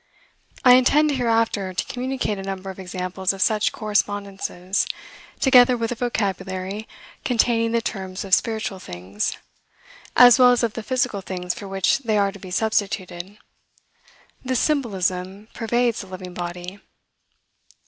I intend, hereafter, to communicate a number of examples of such correspondences, together with a vocabulary containing the terms of spiritual things, as well as of the physical things for which they are to be substituted. This symbolism pervades the living body."